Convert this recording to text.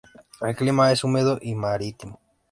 El clima es húmedo y marítimo.